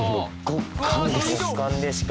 極寒です